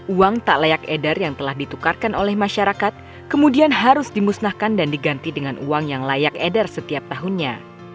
uang tak layak edar yang telah ditukarkan oleh masyarakat kemudian harus dimusnahkan dan diganti dengan uang yang layak edar setiap tahunnya